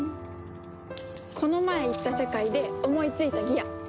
この前行った世界で思いついたギア。